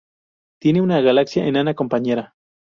Tiene una galaxia enana compañera.